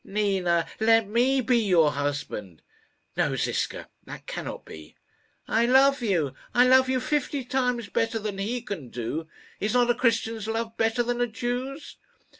"Nina, let me be your husband." "No, Ziska; that cannot be." "I love you. I love you fifty times better than he can do. Is not a Christian's love better than a Jew's?"